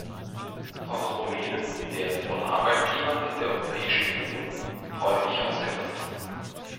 Auch Rumänen werden von Arbeitgebern in der Europäischen Union häufig ausgenutzt.